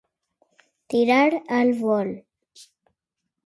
Tirar al vol.